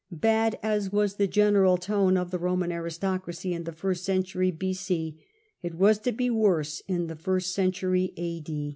Bad as was the general tone of the Roman aristocracy in the first century B.C., it was to be worse in the first century A.